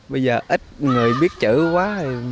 bây giờ ít người biết chữ quá